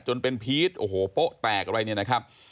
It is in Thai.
จนเป็นพีชโอ้โหโป๊ะแตกอะไรเนี่ยนะครับ